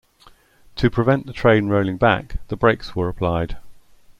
To prevent the train rolling back, the brakes were applied.